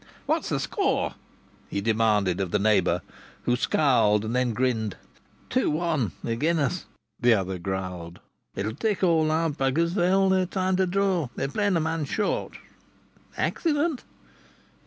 "What's the score?" he demanded of the neighbour, who scowled and then grinned. "Two one agen uz!" The other growled. "It'll take our b s all their time to draw. They're playing a man short." "Accident?"